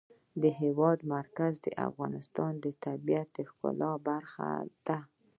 د هېواد مرکز د افغانستان د طبیعت د ښکلا برخه ده.